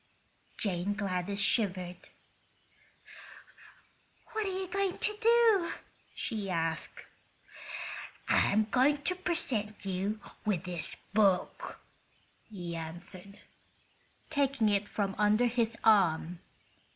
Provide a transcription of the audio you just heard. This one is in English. Jane Gladys shivered. "What are you going to do?" she asked. "I'm going to present you with this book," he answered, taking it from under his arm.